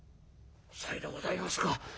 「さいでございますか。